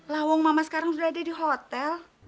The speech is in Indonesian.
lawong mama sekarang udah ada di hotel